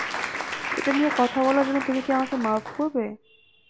এটা নিয়ে কথা বলার জন্য তুমি কি আমাকে মাফ করবে?